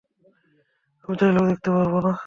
আমি চাইলেও দেখাতে পারব না!